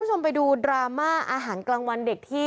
คุณผู้ชมไปดูดราม่าอาหารกลางวันเด็กที่